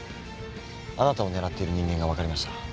あなたを狙っている人間が分かりました。